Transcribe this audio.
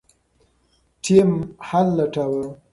ټیم حل لټاوه.